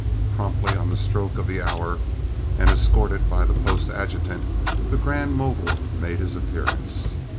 Promptly on the stroke of the hour, and escorted by the post adjutant, the grand mogul made his appearance.